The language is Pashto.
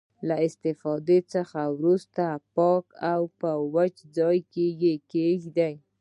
له استفادې څخه وروسته پاک او په وچ ځای کې یې کیږدئ.